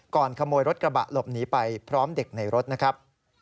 ขโมยรถกระบะหลบหนีไปพร้อมเด็กในรถนะครับ